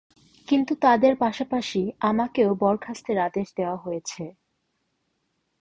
কিন্তু তাঁদের পাশাপাশি আমাকেও বরখাস্তের আদেশ দেওয়া হয়েছে।